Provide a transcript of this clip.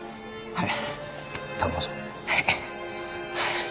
はい。